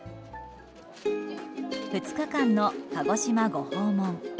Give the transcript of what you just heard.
２日間の鹿児島ご訪問。